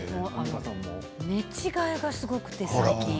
寝違えがすごくて最近。